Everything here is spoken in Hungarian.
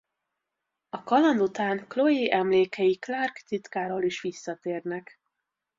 A kaland után Chloe emlékei Clark titkáról is visszatérnek.